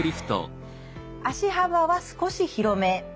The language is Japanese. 足幅は少し広め。